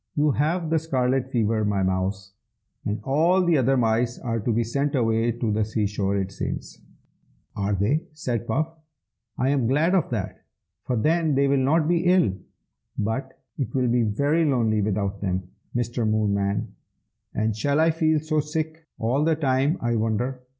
"You have the scarlet fever, my mouse, and all the other mice are to be sent away to the sea shore, it seems." "Are they?" said Puff. "I am glad of that, for then they will not be ill. But it will be very lonely without them, Mr. Moonman. And shall I feel so sick all the time, I wonder?"